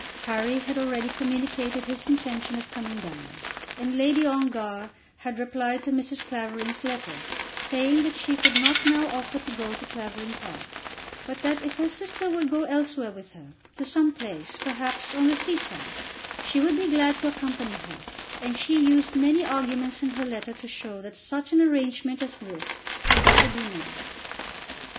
Harry had already communicated his intention of coming down; and Lady Ongar had replied to Mrs. Clavering's letter, saying that she could not now offer to go to Clavering Park, but that if her sister would go elsewhere with her, to some place, perhaps, on the sea side, she would be glad to accompany her; and she used many arguments in her letter to show that such an arrangement as this had better be made.